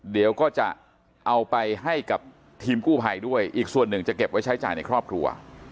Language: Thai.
เดี๋ยวก็จะเอาไปให้กับทีมกู้ภัยด้วยอีกส่วนหนึ่งจะเก็บไว้ใช้จ่ายในครอบครัว